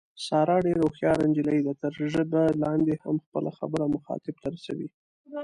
ساره ډېره هوښیاره نجیلۍ ده، تر ژبه لاندې هم خپله خبره مخاطب ته رسوي.